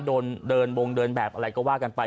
เดินบงเดินแบบอะไรก็ว่ากันไป